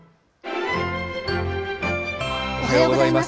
おはようございます。